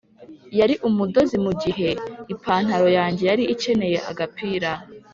yari umudozi mugihe ipantaro yanjye yari ikeneye agapira.